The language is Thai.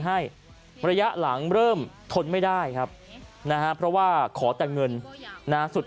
ให้ระยะหลังเริ่มทนไม่ได้ครับนะฮะเพราะว่าขอแต่เงินนะสุด